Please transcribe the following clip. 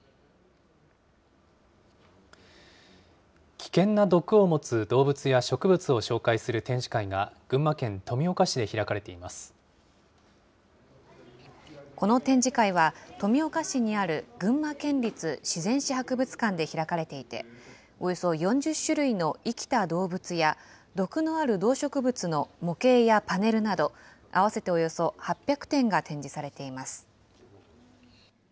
危険な毒を持つ動物や植物を紹介する展示会が、この展示会は、富岡市にある群馬県立自然史博物館で開かれていて、およそ４０種類の生きた動物や、毒のある動植物の模型やパネルなど、合わせておよそ８００点が展示されています。